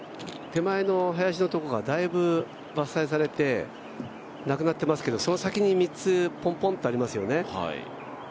手前の林のところがだいぶ伐採されてなくなっていますけどその先に３つ、ポンポンとありますよね。